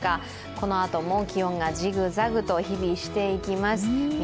このあとも気温が日々ジグザグとしていきます。